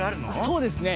そうですね。